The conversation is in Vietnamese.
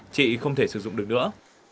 chị không thể sử dụng được nữa